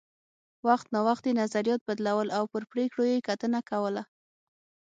وخت نا وخت یې نظریات بدلول او پر پرېکړو یې کتنه کوله